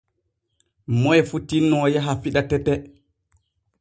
Moy fuu tinno yaha fiɗa tete.